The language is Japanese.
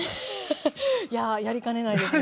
フフッいややりかねないですね。